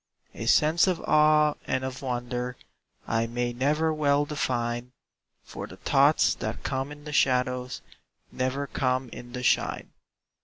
A sense of awe and of wonder I may never well define, For the thoughts that come in the shadows Never come in the shine.